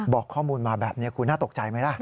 บอกข้อมูลมาแบบนี้คุณน่าตกใจไหมล่ะ